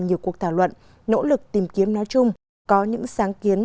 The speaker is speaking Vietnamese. nhiều cuộc thảo luận nỗ lực tìm kiếm nói chung có những sáng kiến